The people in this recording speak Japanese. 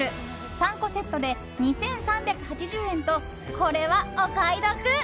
３個セットで２３８０円とこれはお買い得。